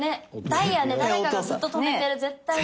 ダイヤね誰かがずっと止めてる絶対ね。